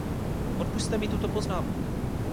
Odpusťte mi tuto poznámku.